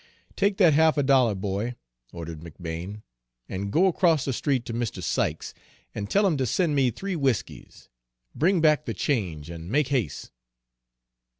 "Take that half a dollar, boy," ordered McBane, "an' go 'cross the street to Mr. Sykes's, and tell him to send me three whiskies. Bring back the change, and make has'e."